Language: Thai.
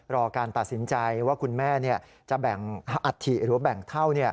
รอการตัดสินใจว่าคุณแม่จะแบ่งอัฐิหรือแบ่งเท่า